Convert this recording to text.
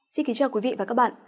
xin kính chào quý vị và các bạn